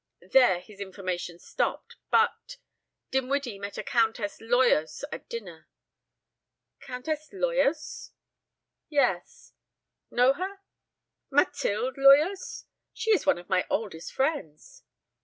There his information stopped. ... But ... Dinwiddie met a Countess Loyos at dinner." "Countess Loyos?" "Yes know her?" "Mathilde Loyos? She is one of my oldest friends."